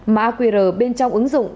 má qr bên trong ứng dụng